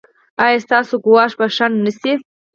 ایا ستاسو ګواښ به شنډ نه شي؟